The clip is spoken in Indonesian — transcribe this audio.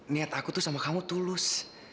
niat aku tuh sama kamu tulus